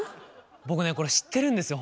僕ねこれ知ってるんですよ